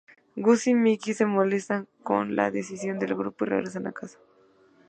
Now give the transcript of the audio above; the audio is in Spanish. Gus y Mickey se molestan con la decisión del equipo y regresan a casa.